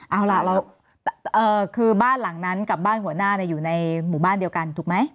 เอาล่ะเราคือบ้านหลังนั้นกับบ้านหัวหน้าอยู่ในหมู่บ้านเดียวกันถูกไหม